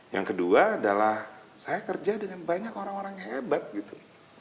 yang kedua adalah saya kerja dengan banyak orang orang yang hebat gitu